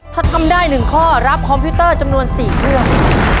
ถ้าทำได้๑ข้อรับคอมพิวเตอร์จำนวน๔เครื่อง